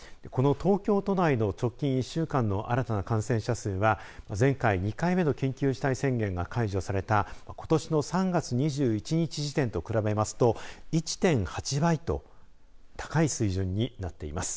この東京都内の直近１週間の新たな感染者数は前回２回目の緊急事態宣言が解除されたことしの３月２１日時点と比べますと１．８倍と高い水準になっています。